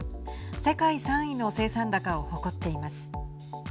世界３位の生産高を誇っています。